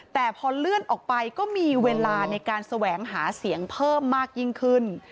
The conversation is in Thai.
แต่พอเลื่อนออกไปก็มีเวลาในการแสวงหาเสียงเพิ่มมากยิ่งขึ้น